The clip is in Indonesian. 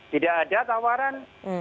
tidak ada tawaran